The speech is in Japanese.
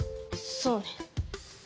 そうね。